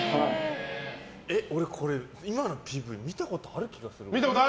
俺、これ今のＰＶ見たことある気がする。